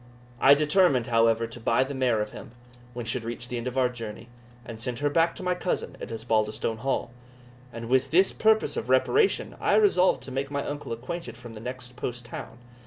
I determined, however, to buy the mare of him, when he should reach the end of our journey, and send her back to my cousin at Osbaldistone Hall; and with this purpose of reparation I resolved to make my uncle acquainted from the next post town.